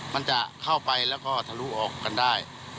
มันจะเข้าไปแล้วก็ทะลุออกกันได้